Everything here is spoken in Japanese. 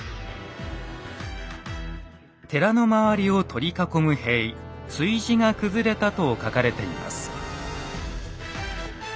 寺の周りを取り囲む塀「築地」が崩れたと書かれています。